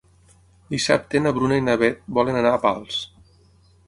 Dissabte na Bruna i na Beth volen anar a Pals.